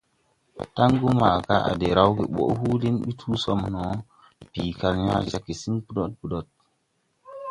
Tangu maga à de raw ge go ɓoʼ huuli ɓi tu so mo, bii kal yaa jag gesiŋ ɓodoɗ ɓodoɗ.